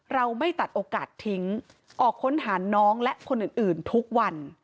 เราไม่ตัดโอกาสทิ้งออกค้นหาน้องและคนอื่นทุกวัน